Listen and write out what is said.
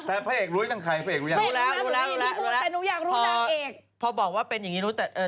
แต่พระเอกรู้จังใครพระเอกรู้จังไงรู้แล้วรู้แล้วรู้แล้วพระเอกรู้จังไงรู้แล้วรู้แล้ว